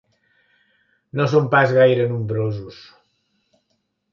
No són pas gaire nombrosos.